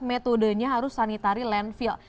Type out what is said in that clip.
metodenya harus sanitari landfill